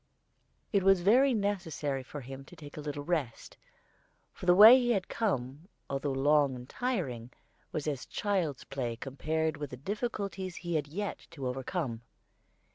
It was very necessary for him to take a little rest; for the way he had come, although long and tiring, was as child's play compared with the difficulties he had yet to overcome.